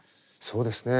そうですね。